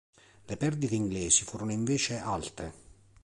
Le perdite inglesi furono invece alte.